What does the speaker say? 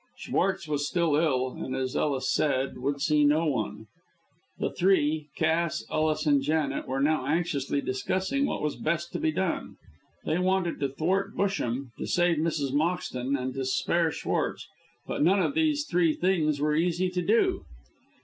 Schwartz was still ill, and, as Ellis said, would see no one. The three Cass, Ellis and Janet were now anxiously discussing what was best to be done. They wanted to thwart Busham, to save Mrs. Moxton and to spare Schwartz; but none of these three things were easy to do.